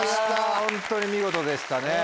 ホントに見事でしたね。